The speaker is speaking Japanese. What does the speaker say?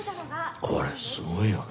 これすごいよね。